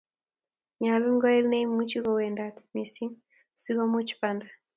nyalun koel neimuchi kowendat mising siko much banda